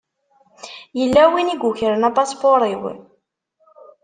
Yella win i yukren apaspuṛ-iw.